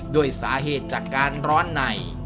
ด้วยสาเหตุจากการร้อนใน